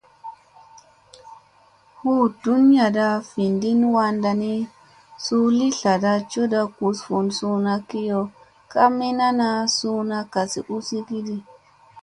Hu ɗuniyaɗa vinɗin wa nii, suu li tlaɗi cooɗa gus vun suuna kiyo ka min ana suuna gasi usi kiyo di.